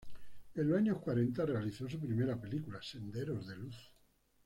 En los años cuarenta realizó su primera película, "Senderos de luz".